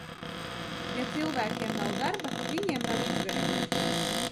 Ja cilvēkiem nav darba, viņiem nav izvēles.